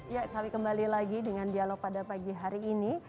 ya kami kembali lagi dengan dialog pada pagi hari ini